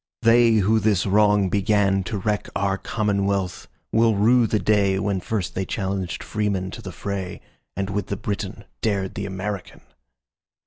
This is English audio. They who this wrong beganTo wreck our commonwealth, will rue the dayWhen first they challenged freemen to the fray, And with the Briton dared the American.